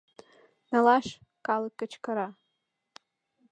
— Налаш! — калык кычкыра.